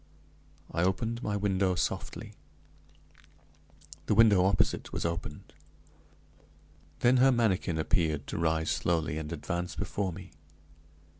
I opened my window softly; the window opposite was opened! Then her manikin appeared to rise slowly and advance before me.